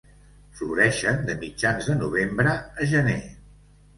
Floreixen de mitjans de novembre a gener.